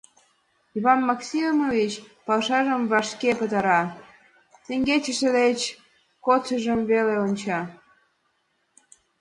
Иван Максимович пашажым вашке пытара, теҥгечысе деч кодшыжым веле онча.